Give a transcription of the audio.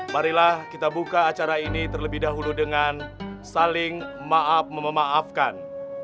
marilah kita buka acara ini terlebih dahulu dengan saling maaf memaafkan